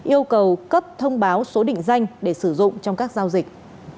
yêu cầu cấp thông báo số định danh để sử dụng trong các giao dịch